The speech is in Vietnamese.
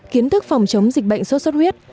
kiến thức phòng chống dịch bệnh xuất xuất huyết